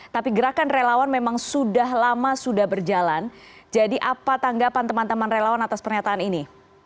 tapi gerakan relawan memang sudah lama sudah berjalan jadi apa tanggapan teman teman relawan atas pernyataan ini